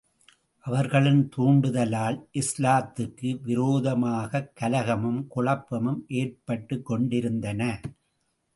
அவர்களின் தூண்டுதலால், இஸ்லாத்துக்கு விரோதமாகக் கலகமும் குழப்பமும் ஏற்பட்டுக் கொண்டிருந்தன.